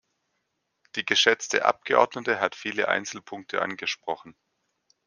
Die geschätzte Abgeordnete hat viele Einzelpunkte angesprochen.